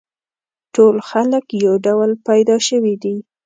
ټول خلک یو ډول پیدا شوي دي.